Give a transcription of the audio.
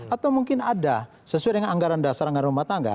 atau mungkin ada sesuai dengan anggaran dasar anggaran rumah tangga